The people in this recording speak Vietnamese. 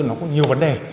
nó có nhiều vấn đề